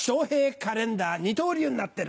カレンダー二刀流になってる。